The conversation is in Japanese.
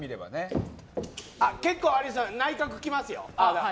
結構、有吉さん内角来ますよ。